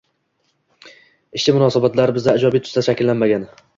ishchi munosabatlari bizda ijobiy tusda shakllanmagan